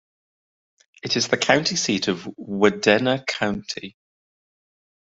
It is the county seat of Wadena County.